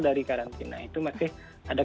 dari karantina itu masih ada